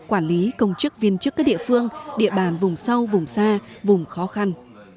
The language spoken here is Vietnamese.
quản lý công chức viên chức các địa phương địa bàn vùng sâu vùng xa vùng khó khăn